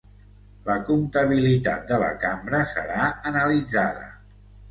La comptabilitat de la Cambra serà analitzada